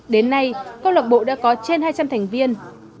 đến nay câu lạc bộ đã có trên hai trăm linh thành viên